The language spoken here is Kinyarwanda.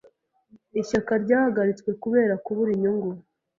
Ishyaka ryahagaritswe kubera kubura inyungu.